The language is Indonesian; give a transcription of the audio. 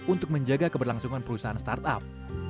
untuk menjaga keberlangsungan perusahaan startup